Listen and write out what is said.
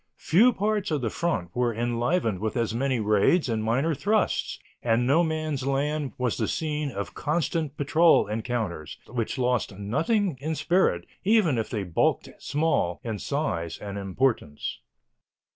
Few parts of the front were enlivened with as many raids and minor thrusts, and No Man's Land was the scene of constant patrol encounters, which lost nothing in spirit, even if they bulked small in size and importance.